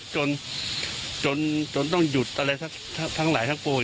จนจนต้องหยุดอะไรทั้งหลายทั้งปวง